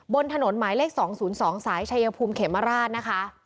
บนถนนหมายเลข๒๐๒สายชายภูมิเขมราชนะคะ